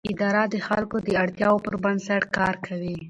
اداره د خلکو د اړتیاوو پر بنسټ کار کوي.